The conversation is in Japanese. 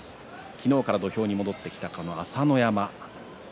昨日から土俵に戻ってきた朝乃山。